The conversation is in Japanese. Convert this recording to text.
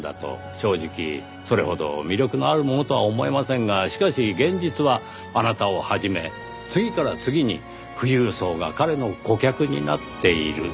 正直それほど魅力のあるものとは思えませんがしかし現実はあなたを始め次から次に富裕層が彼の顧客になっている。